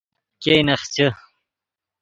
ګئے نخچے